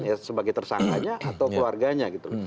ya sebagai tersangkanya atau keluarganya gitu